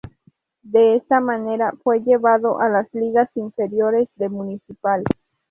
De esta manera, fue llevado a las ligas inferiores de Municipal.